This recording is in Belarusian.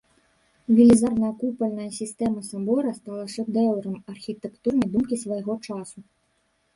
Велізарная купальная сістэма сабора стала шэдэўрам архітэктурнай думкі свайго часу.